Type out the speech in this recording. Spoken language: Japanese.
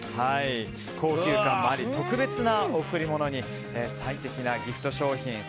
高級感もあり特別な贈り物に最適なギフト商品。